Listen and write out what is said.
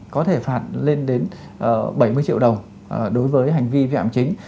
có thể phạt lên đến bảy mươi triệu đồng đối với hành vi vi phạm chính